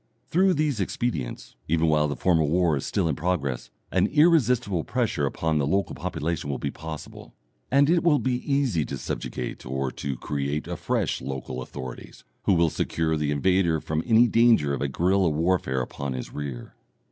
Through these expedients, even while the formal war is still in progress, an irresistible pressure upon a local population will be possible, and it will be easy to subjugate or to create afresh local authorities, who will secure the invader from any danger of a guerilla warfare upon his rear.